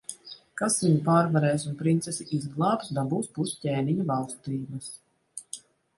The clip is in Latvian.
Kas viņu pārvarēs un princesi izglābs, dabūs pus ķēniņa valstības.